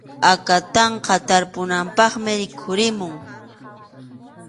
Akatanqaqa tarpunapaqmi rikhurimun.